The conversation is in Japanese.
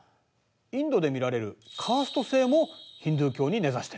インドで見られるカースト制もヒンドゥー教に根ざしてる。